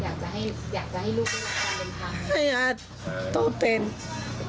อยากจะให้อยากจะให้ลูกเป็นท่านเป็นท่านให้อาจโตเป็น